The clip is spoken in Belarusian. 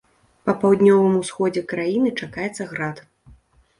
Па паўднёвым усходзе краіны чакаецца град.